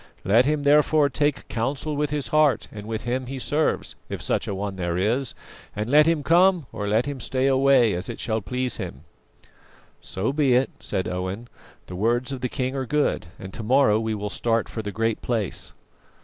Let him, therefore, take counsel with his heart and with Him he serves, if such a One there is, and let him come or let him stay away as it shall please him.'" "So be it," said Owen; "the words of the king are good, and to morrow we will start for the Great Place."